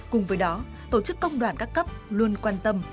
cùng với đó tổ chức công đoàn các cấp luôn quan tâm